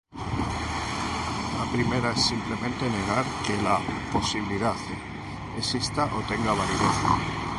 La primera es simplemente negar que tal posibilidad exista o tenga validez.